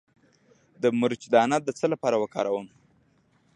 د مرچ دانه د څه لپاره وکاروم؟